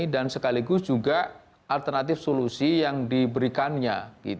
dan sekaligus juga alternatif solusi yang diberikannya